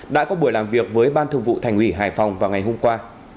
đã có buổi làm việc với ban thường vụ thành ủy hải phòng vào ngày hôm qua